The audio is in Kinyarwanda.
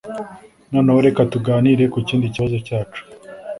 Noneho reka tuganire kukindi kibazo cyacu